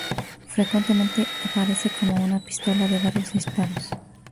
Frecuentemente aparece como una pistola de varios disparos.